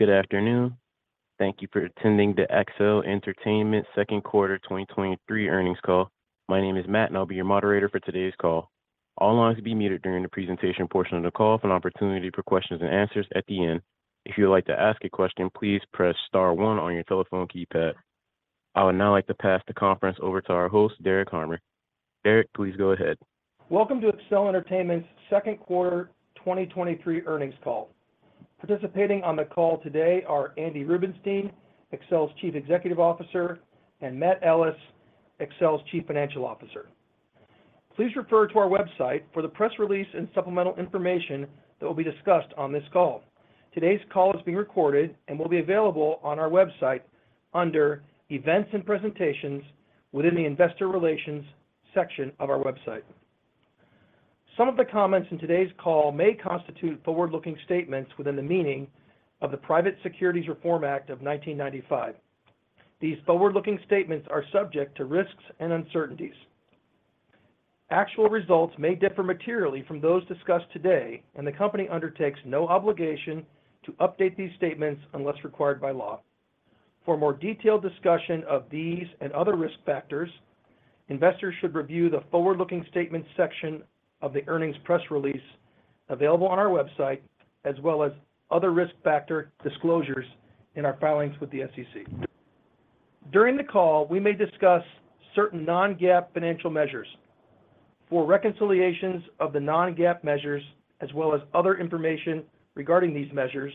Good afternoon. Thank you for attending the Accel Entertainment Q2 2023 earnings call. My name is Matt, and I'll be your moderator for today's call. All lines will be muted during the presentation portion of the call for an opportunity for questions and answers at the end. If you would like to ask a question, please press star one on your telephone keypad. I would now like to pass the conference over to our host, Derek Harmer. Derek, please go ahead. Welcome to Accel Entertainment's Q2 2023 earnings call. Participating on the call today are Andy Rubenstein, Accel's Chief Executive Officer, and Matt Ellis, Accel's Chief Financial Officer. Please refer to our website for the press release and supplemental information that will be discussed on this call. Today's call is being recorded and will be available on our website under Events and Presentations within the Investor Relations section of our website. Some of the comments in today's call may constitute forward-looking statements within the meaning of the Private Securities Litigation Reform Act of 1995. These forward-looking statements are subject to risks and uncertainties. Actual results may differ materially from those discussed today, and the company undertakes no obligation to update these statements unless required by law. For more detailed discussion of these and other risk factors, investors should review the forward-looking statement section of the earnings press release available on our website, as well as other risk factor disclosures in our filings with the SEC. During the call, we may discuss certain non-GAAP financial measures. For reconciliations of the non-GAAP measures, as well as other information regarding these measures,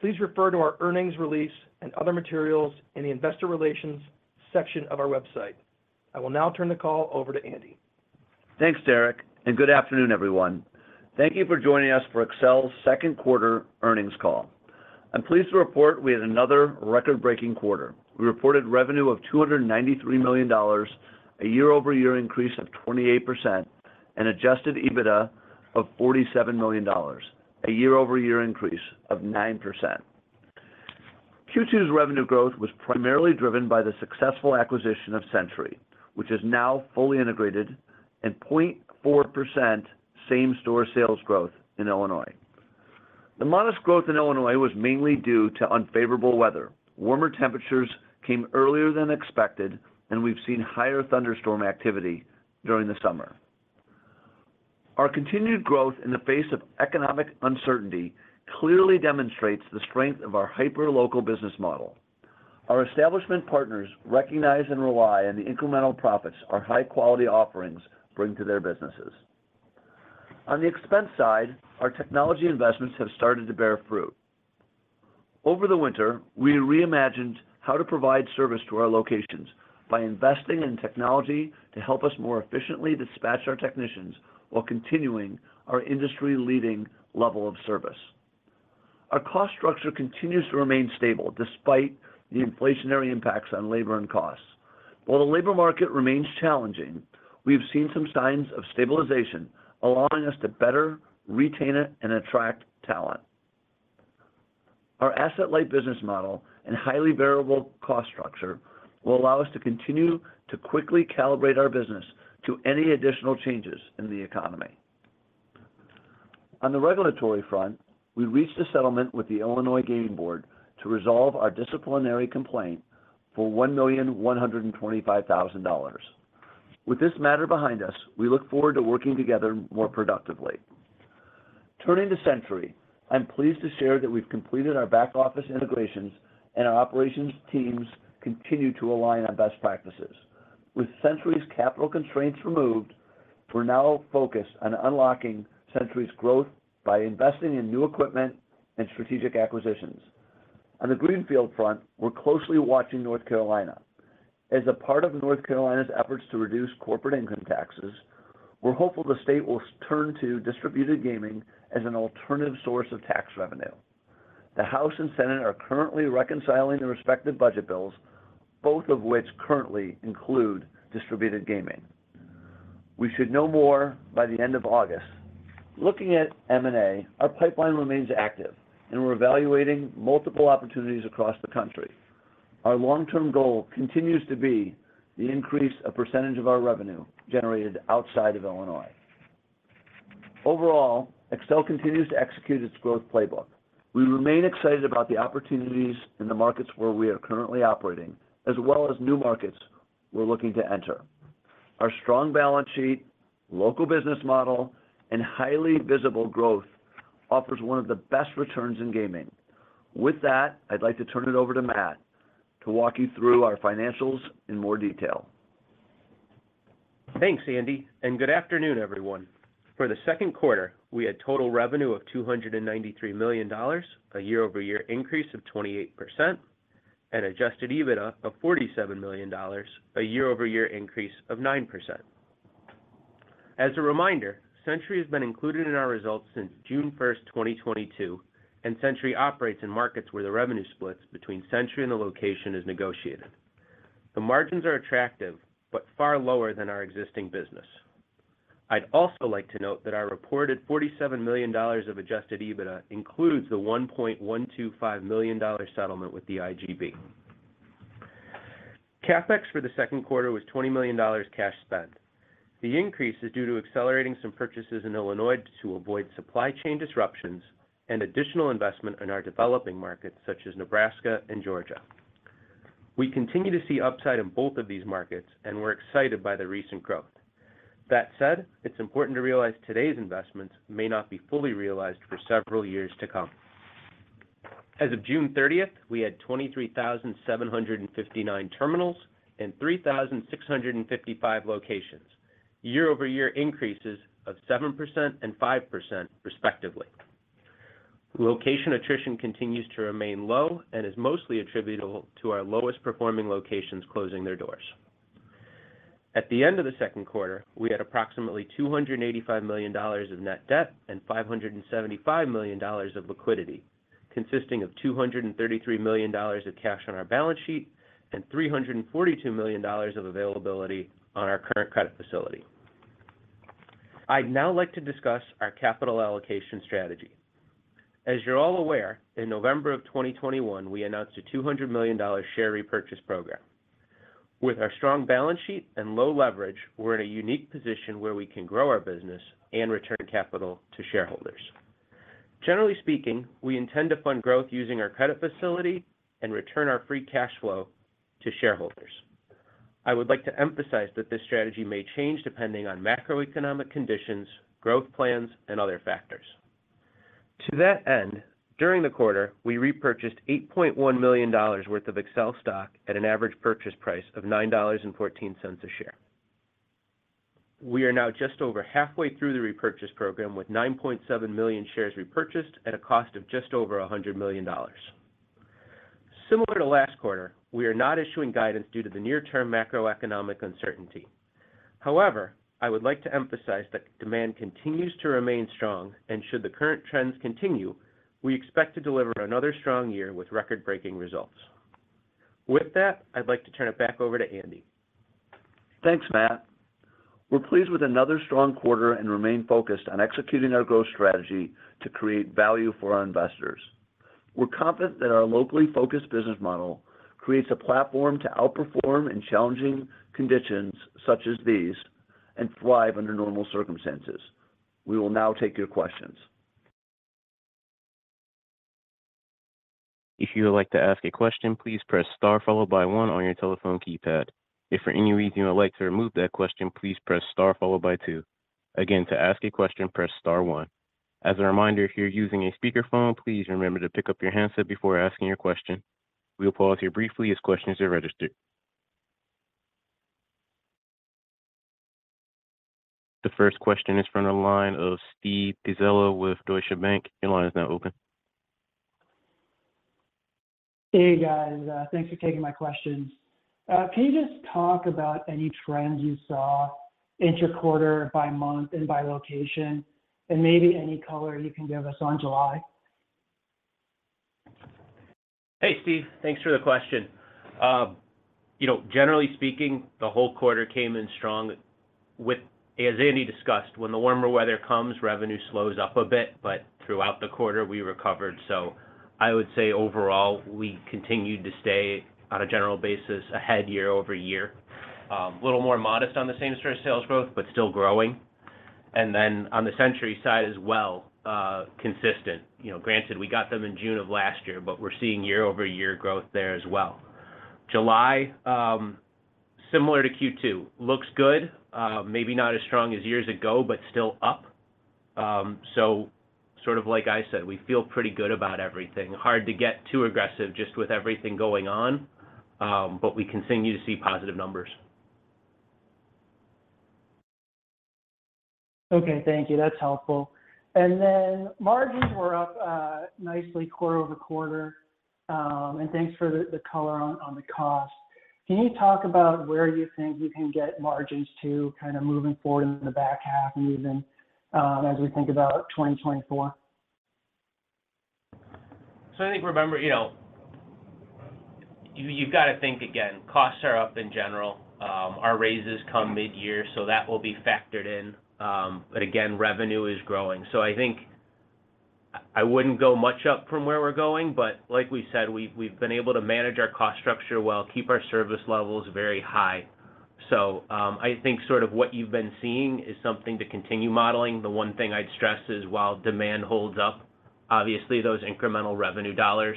please refer to our earnings release and other materials in the Investor Relations section of our website. I will now turn the call over to Andy. Thanks, Derek. Good afternoon, everyone. Thank you for joining us for Accel's Q2 earnings call. I'm pleased to report we had another record-breaking quarter. We reported revenue of $293 million, a year-over-year increase of 28%, and adjusted EBITDA of $47 million, a year-over-year increase of 9%. Q2's revenue growth was primarily driven by the successful acquisition of Century, which is now fully integrated, and 0.4% same-store sales growth in Illinois. The modest growth in Illinois was mainly due to unfavorable weather. Warmer temperatures came earlier than expected, and we've seen higher thunderstorm activity during the summer. Our continued growth in the face of economic uncertainty clearly demonstrates the strength of our hyper-local business model. Our establishment partners recognize and rely on the incremental profits our high-quality offerings bring to their businesses. On the expense side, our technology investments have started to bear fruit. Over the winter, we reimagined how to provide service to our locations by investing in technology to help us more efficiently dispatch our technicians while continuing our industry-leading level of service. Our cost structure continues to remain stable despite the inflationary impacts on labor and costs. While the labor market remains challenging, we've seen some signs of stabilization, allowing us to better retain it and attract talent. Our asset-light business model and highly variable cost structure will allow us to continue to quickly calibrate our business to any additional changes in the economy. On the regulatory front, we reached a settlement with the Illinois Gaming Board to resolve our disciplinary complaint for $1,125,000. With this matter behind us, we look forward to working together more productively. Turning to Century, I'm pleased to share that we've completed our back-office integrations and our operations teams continue to align on best practices. With Century's capital constraints removed, we're now focused on unlocking Century's growth by investing in new equipment and strategic acquisitions. On the greenfield front, we're closely watching North Carolina. As a part of North Carolina's efforts to reduce corporate income taxes, we're hopeful the state will turn to distributed gaming as an alternative source of tax revenue. The House and Senate are currently reconciling the respective budget bills, both of which currently include distributed gaming. We should know more by the end of August. Looking at M&A, our pipeline remains active, and we're evaluating multiple opportunities across the country. Our long-term goal continues to be the increase of percentage of our revenue generated outside of Illinois. Overall, Accel continues to execute its growth playbook. We remain excited about the opportunities in the markets where we are currently operating, as well as new markets we're looking to enter. Our strong balance sheet, local business model, and highly visible growth offers one of the best returns in gaming. With that, I'd like to turn it over to Matt to walk you through our financials in more detail. Thanks, Andy. Good afternoon, everyone. For Q2, we had total revenue of $293 million, a year-over-year increase of 28%, and adjusted EBITDA of $47 million, a year-over-year increase of 9%. As a reminder, Century has been included in our results since June 1st, 2022, and Century operates in markets where the revenue splits between Century and the location is negotiated. The margins are attractive, but far lower than our existing business. I'd also like to note that our reported $47 million of adjusted EBITDA includes the $1.125 million settlement with the IGB. CapEx for Q2 was $20 million cash spent. The increase is due to accelerating some purchases in Illinois to avoid supply chain disruptions and additional investment in our developing markets, such as Nebraska and Georgia. We continue to see upside in both of these markets, and we're excited by the recent growth. That said, it's important to realize today's investments may not be fully realized for several years to come. As of June 30th, we had 23,759 terminals and 3,655 locations, year-over-year increases of 7% and 5% respectively. Location attrition continues to remain low and is mostly attributable to our lowest performing locations closing their doors. At the end of the 2nd quarter, we had approximately $285 million of net debt and $575 million of liquidity, consisting of $233 million of cash on our balance sheet and $342 million of availability on our current credit facility. I'd now like to discuss our capital allocation strategy. As you're all aware, in November of 2021, we announced a $200 million share repurchase program. With our strong balance sheet and low leverage, we're in a unique position where we can grow our business and return capital to shareholders. Generally speaking, we intend to fund growth using our credit facility and return our free cash flow to shareholders. I would like to emphasize that this strategy may change depending on macroeconomic conditions, growth plans, and other factors. To that end, during the quarter, we repurchased $8.1 million worth of Accel stock at an average purchase price of $9.14 a share. We are now just over halfway through the repurchase program, with 9.7 million shares repurchased at a cost of just over $100 million. Similar to last quarter, we are not issuing guidance due to the near-term macroeconomic uncertainty. However, I would like to emphasize that demand continues to remain strong, and should the current trends continue, we expect to deliver another strong year with record-breaking results. With that, I'd like to turn it back over to Andy. Thanks, Matt. We're pleased with another strong quarter and remain focused on executing our growth strategy to create value for our investors. We're confident that our locally focused business model creates a platform to outperform in challenging conditions such as these and thrive under normal circumstances. We will now take your questions. If you would like to ask a question, please press star followed by one on your telephone keypad. If for any reason you would like to remove that question, please press star followed by two. Again, to ask a question, press star one. As a reminder, if you're using a speakerphone, please remember to pick up your handset before asking your question. We'll pause here briefly as questions are registered. The first question is from the line of Steve Pizzella with Deutsche Bank. Your line is now open. Hey, guys, thanks for taking my questions. Can you just talk about any trends you saw inter-quarter, by month, and by location, and maybe any color you can give us on July? Hey, Steve. Thanks for the question. You know, generally speaking, the whole quarter came in strong, as Andy discussed, when the warmer weather comes, revenue slows up a bit, but throughout the quarter, we recovered. I would say overall, we continued to stay, on a general basis, ahead year-over-year. A little more modest on the same-store sales growth, but still growing. Then on the Century side as well, consistent. You know, granted, we got them in June of last year, but we're seeing year-over-year growth there as well. July, similar to Q2, looks good, maybe not as strong as years ago, but still up. Sort of like I said, we feel pretty good about everything. Hard to get too aggressive just with everything going on, but we continue to see positive numbers. Okay, thank you. That's helpful. Margins were up nicely quarter-over-quarter. Thanks for the, the color on, on the cost. Can you talk about where you think you can get margins to kind of moving forward in the back half and even as we think about 2024? I think, remember, you know, you've got to think again. Costs are up in general. Our raises come mid-year, so that will be factored in. Again, revenue is growing. I think I wouldn't go much up from where we're going, but like we said, we've, we've been able to manage our cost structure well, keep our service levels very high. I think sort of what you've been seeing is something to continue modeling. The one thing I'd stress is while demand holds up, obviously, those incremental revenue dollars,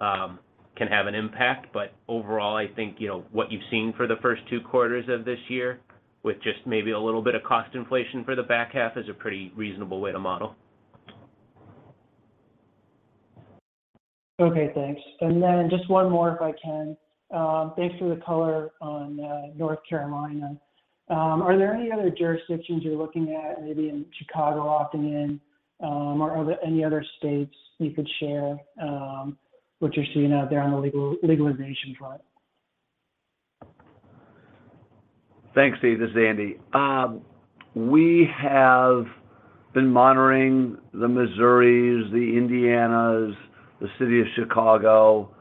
can have an impact. Overall, I think, what you've seen for the first 2 quarters of this year, with just maybe a little bit of cost inflation for the back half, is a pretty reasonable way to model. Okay, thanks. Then just one more, if I can. Thanks for the color on North Carolina. Are there any other jurisdictions you're looking at, maybe in Chicago opting in, or are there any other states you could share, what you're seeing out there on the legalization front? Thanks, Steve. This is Andy. We have been monitoring the Missouris, the Indianas, the city of Chicago.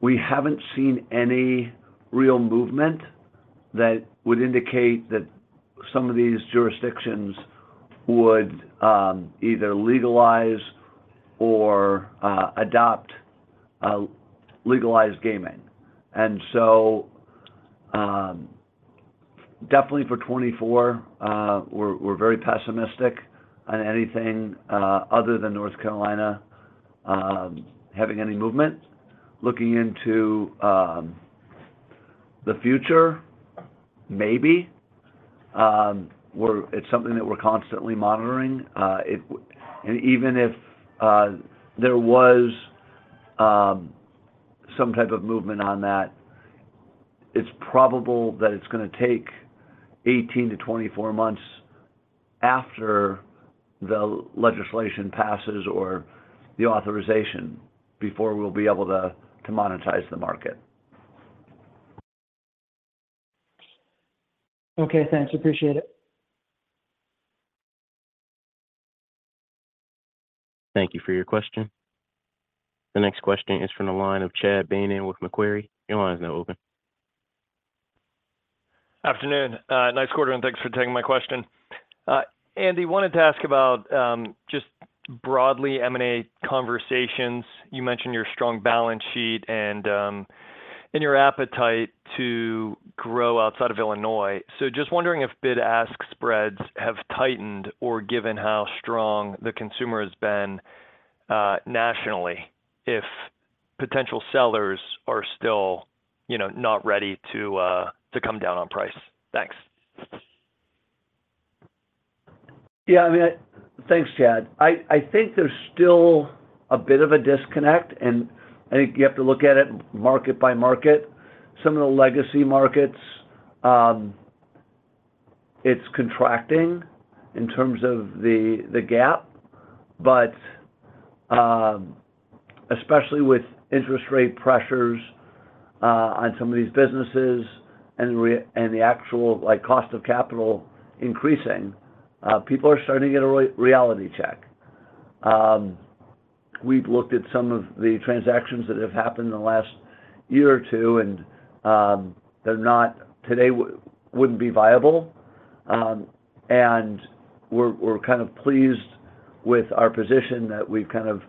We haven't seen any real movement that would indicate that some of these jurisdictions would either legalize or adopt legalized gaming. Definitely for 2024, we're very pessimistic on anything other than North Carolina having any movement. Looking into the future, maybe. It's something that we're constantly monitoring. Even if there was some type of movement on that, it's probable that it's gonna take 18-24 months after the legislation passes or the authorization, before we'll be able to monetize the market. Okay, thanks. Appreciate it. Thank you for your question. The next question is from the line of Chad Beynon with Macquarie. Your line is now open. Afternoon. Nice quarter, and thanks for taking my question. Andy, wanted to ask about just broadly M&A conversations. You mentioned your strong balance sheet and your appetite to grow outside of Illinois. Just wondering if bid-ask spreads have tightened, or given how strong the consumer has been nationally, if potential sellers are still, you know, not ready to come down on price. Thanks. Yeah, I mean. Thanks, Chad. I think there's still a bit of a disconnect, and I think you have to look at it market by market. Some of the legacy markets, it's contracting in terms of the, the gap, but, especially with interest rate pressures, on some of these businesses and the actual, like, cost of capital increasing, people are starting to get a reality check. We've looked at some of the transactions that have happened in the last year or two, and, they're not today wouldn't be viable. We're kind of pleased with our position that we've kind of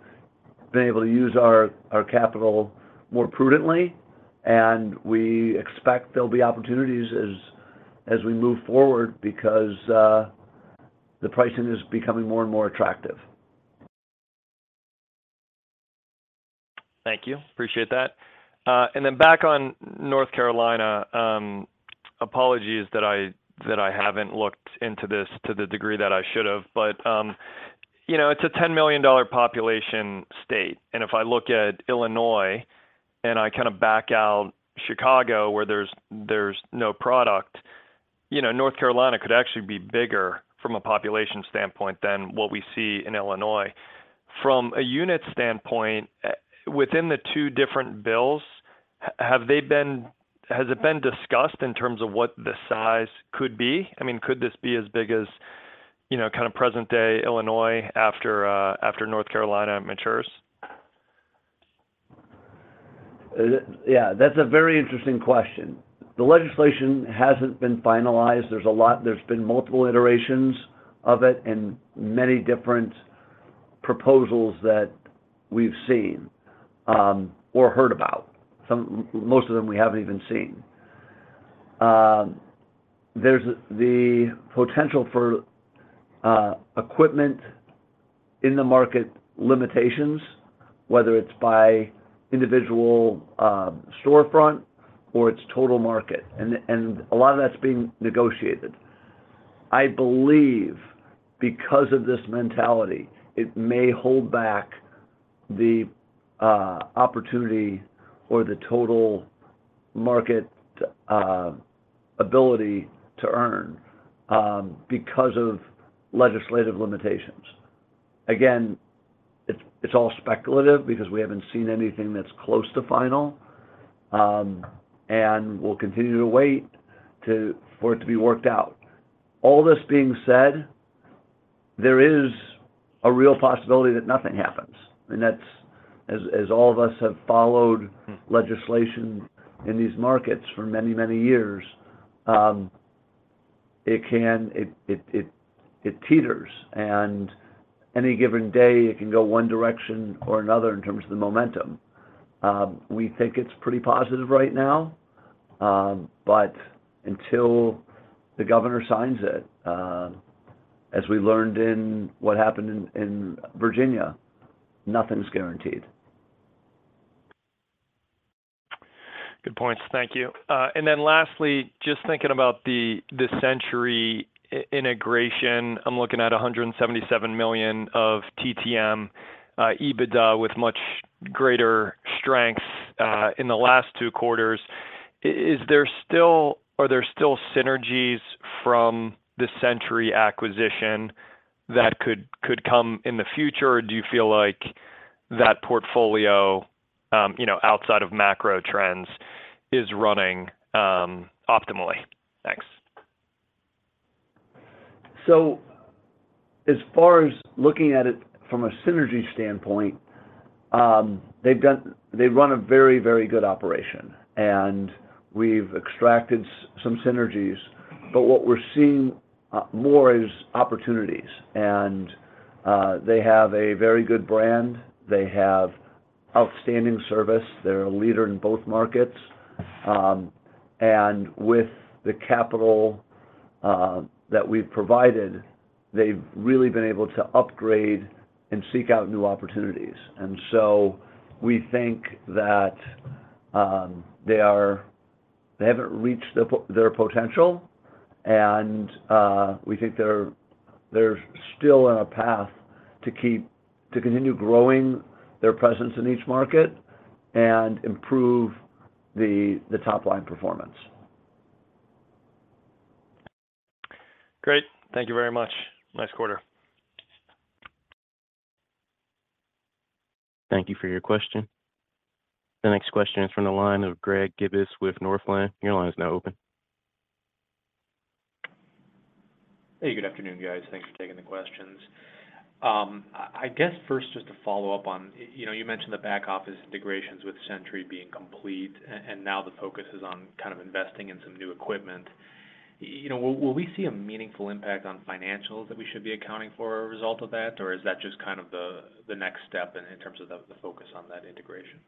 been able to use our, our capital more prudently, and we expect there'll be opportunities as, as we move forward because, the pricing is becoming more and more attractive. Thank you. Appreciate that. Then back on North Carolina, apologies that I, that I haven't looked into this to the degree that I should've, but, you know, it's a 10 million dollar population state. If I look at Illinois, and I kind of back out Chicago, where there's, there's no product, you know, North Carolina could actually be bigger from a population standpoint than what we see in Illinois. From a unit standpoint, within the two different bills, have they been discussed in terms of what the size could be? I mean, could this be as big as, you know, kind of present day Illinois after, after North Carolina matures? Yeah, that's a very interesting question. The legislation hasn't been finalized. There's a lot-- there's been multiple iterations of it and many different proposals that we've seen, or heard about. Most of them we haven't even seen. There's the potential for equipment in the market limitations, whether it's by individual storefront or it's total market, and, and a lot of that's being negotiated. I believe because of this mentality, it may hold back the opportunity or the total market ability to earn because of legislative limitations. Again, it's, it's all speculative because we haven't seen anything that's close to final. And we'll continue to wait, for it to be worked out. All this being said, there is a real possibility that nothing happens, and that's as, as all of us have followed legislation in these markets for many, many years, it teeters, and any given day, it can go one direction or another in terms of the momentum. We think it's pretty positive right now, until the governor signs it, as we learned in what happened in, in Virginia, nothing's guaranteed. Good points. Thank you. Then lastly, just thinking about the Century integration, I'm looking at $177 million of TTM EBITDA, with much greater strengths in the last two quarters. Are there still synergies from the Century acquisition that could, could come in the future, or do you feel like that portfolio, you know, outside of macro trends, is running optimally? Thanks. As far as looking at it from a synergy standpoint. They run a very, very good operation, and we've extracted some synergies. What we're seeing more is opportunities, and they have a very good brand. They have outstanding service. They're a leader in both markets. With the capital that we've provided, they've really been able to upgrade and seek out new opportunities. We think that they are, they haven't reached their potential, and we think they're still on a path to continue growing their presence in each market and improve the top-line performance. Great. Thank you very much. Nice quarter. Thank you for your question. The next question is from the line of Greg Gibas with Northland. Your line is now open. Hey, good afternoon, guys. Thanks for taking the questions. I guess first, just to follow up on, you know, you mentioned the back office integrations with Century being complete, and now the focus is on kind of investing in some new equipment. You know, will we see a meaningful impact on financials that we should be accounting for as a result of that? Or is that just kind of the, the next step in, in terms of the, the focus on that integration?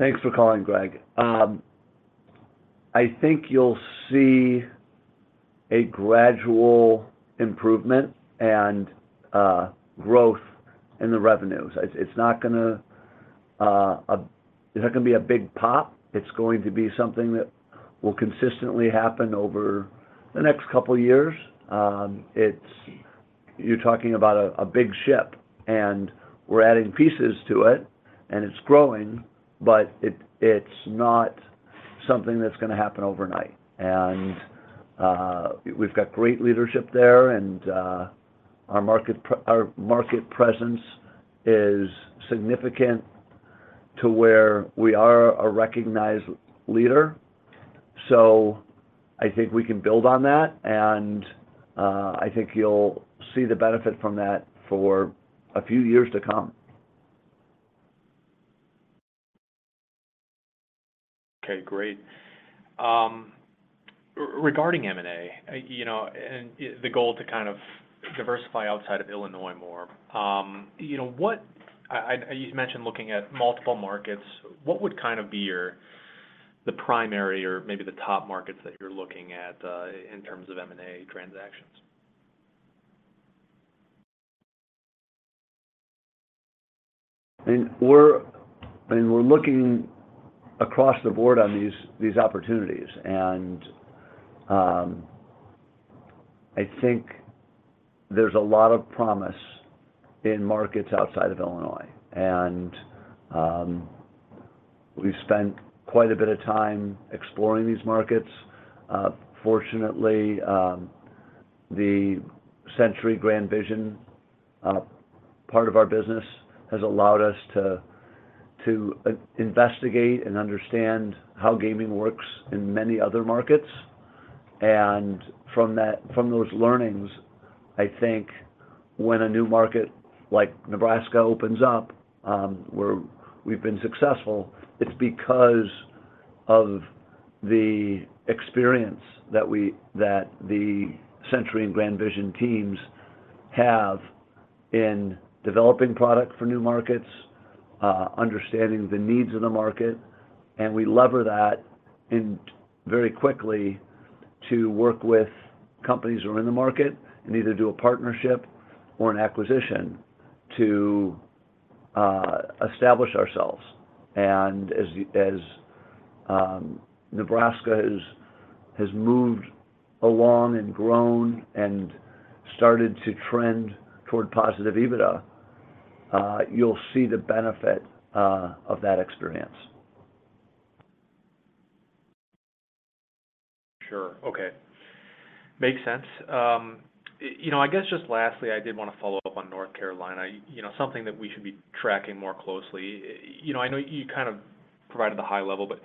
Thanks for calling, Greg. I think you'll see a gradual improvement and growth in the revenues. It's, it's not gonna be a big pop. It's going to be something that will consistently happen over the next couple of years. You're talking about a, a big ship, and we're adding pieces to it, and it's growing, but it, it's not something that's gonna happen overnight. We've got great leadership there, and our market presence is significant to where we are a recognized leader. I think we can build on that, and I think you'll see the benefit from that for a few years to come. Okay, great. Regarding M&A, you know, and the goal to kind of diversify outside of Illinois more. You know, you mentioned looking at multiple markets. What would kind of be your, the primary or maybe the top markets that you're looking at, in terms of M&A transactions? I mean, we're, I mean, we're looking across the board on these, these opportunities, and, I think there's a lot of promise in markets outside of Illinois, and, we've spent quite a bit of time exploring these markets. Fortunately, the Century Grand Vision part of our business has allowed us to investigate and understand how gaming works in many other markets. From that, from those learnings, I think when a new market like Nebraska opens up, where we've been successful, it's because of the experience that the Century and Grand Vision teams have in developing product for new markets, understanding the needs of the market, and we lever that in very quickly to work with companies who are in the market and either do a partnership or an acquisition to establish ourselves. As the, as Nebraska has, has moved along and grown and started to trend toward positive EBITDA, you'll see the benefit of that experience. Sure. Okay. Makes sense. I guess just lastly, I did want to follow up on North Carolina, you know, something that we should be tracking more closely. I know you kind of provided the high level, but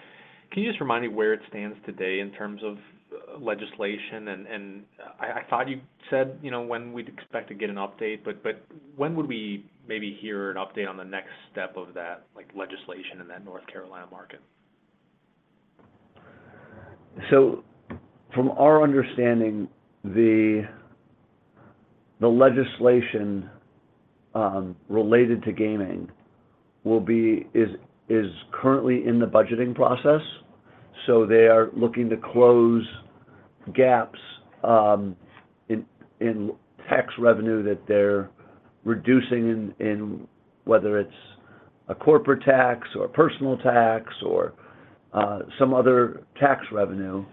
can you just remind me where it stands today in terms of legislation? I thought you said, you know, when we'd expect to get an update, but, but when would we maybe hear an update on the next step of that, like, legislation in that North Carolina market? From our understanding, the legislation related to gaming is currently in the budgeting process, so they are looking to close gaps in tax revenue that they're reducing in whether it's a corporate tax or a personal tax or some other tax revenue,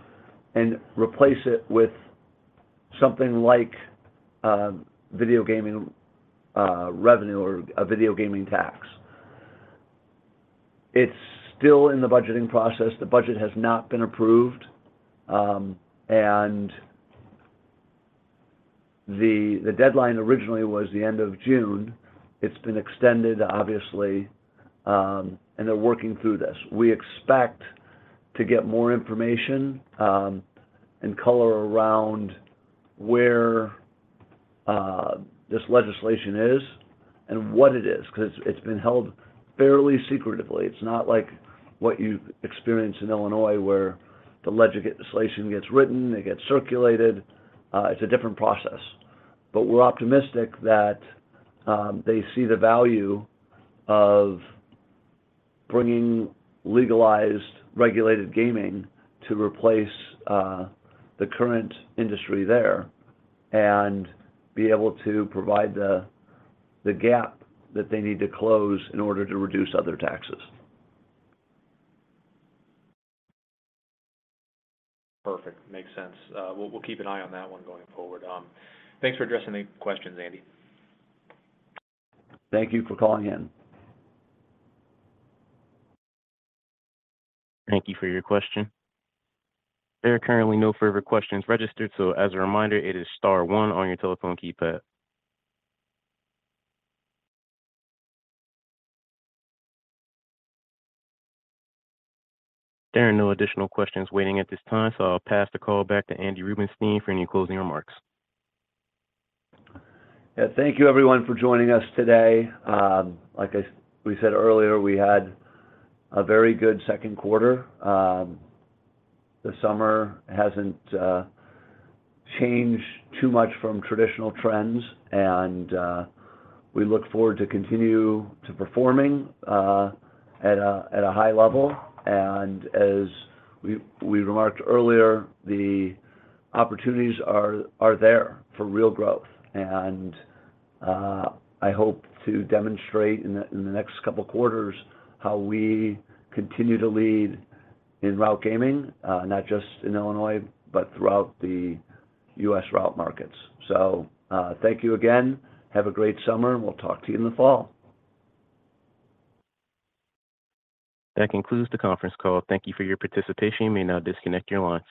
and replace it with something like video gaming revenue or a video gaming tax. It's still in the budgeting process. The budget has not been approved, and the deadline originally was the end of June. It's been extended, obviously, and they're working through this. We expect to get more information and color around where this legislation is and what it is, because it's been held fairly secretively. It's not like what you've experienced in Illinois, where the legislation gets written, it gets circulated. It's a different process. We're optimistic that they see the value of bringing legalized, regulated gaming to replace the current industry there and be able to provide the, the gap that they need to close in order to reduce other taxes. Perfect. Makes sense. We'll, we'll keep an eye on that one going forward. Thanks for addressing the questions, Andy. Thank you for calling in. Thank you for your question. There are currently no further questions registered, so as a reminder, it is star one on your telephone keypad. There are no additional questions waiting at this time, so I'll pass the call back to Andy Rubenstein for any closing remarks. Yeah, thank you everyone for joining us today. Like we said earlier, we had a very good Q2. The summer hasn't changed too much from traditional trends, we look forward to continue to performing at a high level. As we remarked earlier, the opportunities are there for real growth, I hope to demonstrate in the next couple of quarters how we continue to lead in route gaming, not just in Illinois, but throughout the U.S. route markets. Thank you again. Have a great summer, we'll talk to you in the fall. That concludes the conference call. Thank you for your participation. You may now disconnect your lines.